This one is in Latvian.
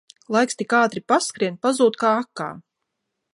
Laiks tik ātri paskrien, pazūd kā akā